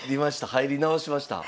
入り直しました。